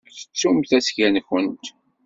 Tettumt asga-nwent.